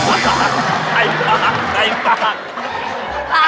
ไอ้ปากไอ้ปาก